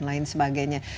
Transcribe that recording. dan lain sebagainya